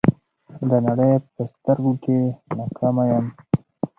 د نړۍ په سترګو کې ناکامه یم.